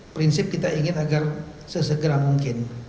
prinsip kita ingin agar sesegera mungkin